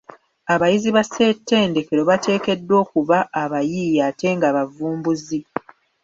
Abayizi ba ssetendekero bateekeddwa okuba abayiiya ate nga bavumbuzi.